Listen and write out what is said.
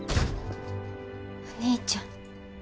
お兄ちゃん。